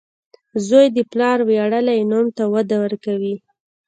• زوی د پلار ویاړلی نوم ته وده ورکوي.